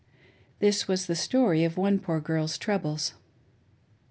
"^ This was the story of one poor girl's troubles.